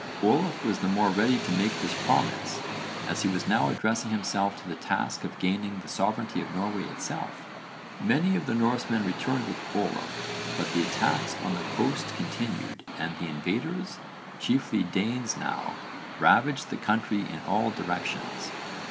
Olaf was the more ready to make this promise as he was now addressing himself to the task of gaining the sovereignty of Norway itself. Many of the Norsemen returned with Olaf but the attacks on the coast continued and the invaders, chiefly Danes now, ravaged the country in all directions.